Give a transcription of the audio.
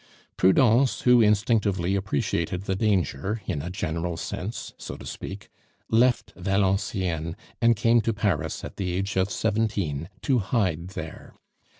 Prudence, who instinctively appreciated the danger in a general sense, so to speak left Valenciennes and came to Paris at the age of seventeen to hide there.